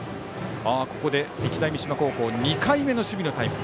ここで日大三島高校２回目の守備のタイム。